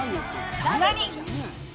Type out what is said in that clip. さらに。